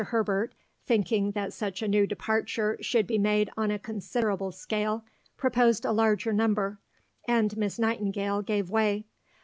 Herbert, thinking that such a new departure should be made on a considerable scale, proposed a larger number, and Miss Nightingale gave way.